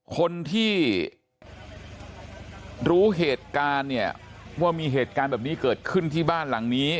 คนที่รู้เหตุการณ์เนี่ยว่ามีเหตุการณ์แบบนี้เกิดขึ้นที่บ้านหลังนี้